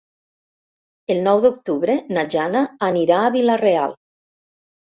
El nou d'octubre na Jana anirà a Vila-real.